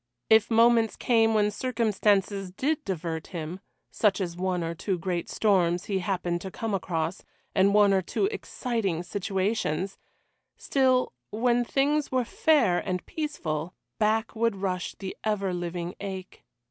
If moments came when circumstances did divert him, such as one or two great storms he happened to come across, and one or two exciting situations still, when things were fair and peaceful, back would rush the ever living ache.